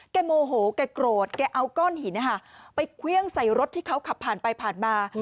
โมโหแกโกรธแกเอาก้อนหินไปเครื่องใส่รถที่เขาขับผ่านไปผ่านมา